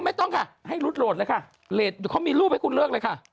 ไม่ต้องค่ะให้รุดโหลดเลยค่ะโหลดเดี๋ยวเขามีรูปให้คุณเลิกเลยค่ะ